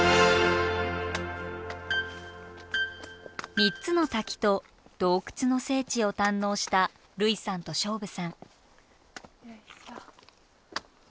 ３つの滝と洞窟の聖地を堪能した類さんと菖蒲さん。